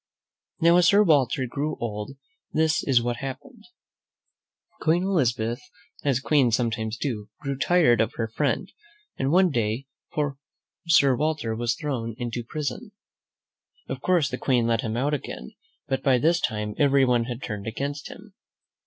Now, as Sir Walter Raleigh grew older, this is what happened. Queen Elizabeth, as queens sometimes do, grew tired of her friend, and one day poor Sir Walter was thrown into prison. :; V 101 THE MEN WHO FOUND AMERICA m m '^^^ iiv: Of course, the Queen let him out again, but, by this time, everyone had turned against him.